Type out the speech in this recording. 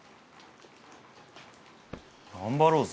頑張ろうぜ。